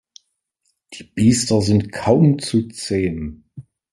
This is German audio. Die Biester sind kaum zu zähmen.